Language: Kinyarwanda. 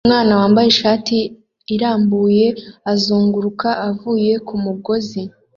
Umwana wambaye ishati irambuye azunguruka avuye kumugozi